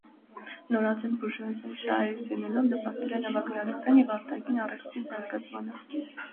Նորածին բուրժուազիայի շահերից ելնելով՝ նպաստել է նավագնացության և արտաքին առևտրի զարգացմանը։